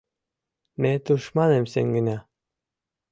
Ме тушманым сеҥена...